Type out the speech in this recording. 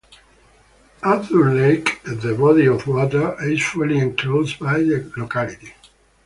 Arthurs Lake (the body of water) is fully enclosed by the locality.